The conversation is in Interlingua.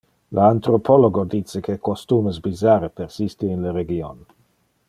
Le anthropologo dice que costumes bizarre persiste in le region.